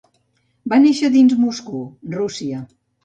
Va néixer dins Moscou, Rússia.